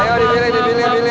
ayo dibeli dibeli dibeli